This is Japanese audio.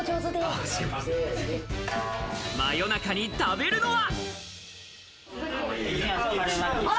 真夜中に食べるのは。